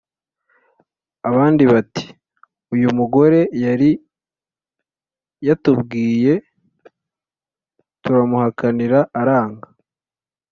Abandi bati: "Uyu mugore yari yatubwiye, turamuhakanira aranga